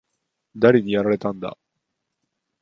誰にやられたんだ？